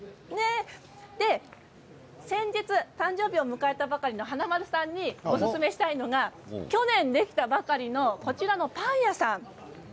先日、誕生日を迎えたばかりの華丸さんにおすすめしたいのが去年できたばかりのこちらのパン屋さんです。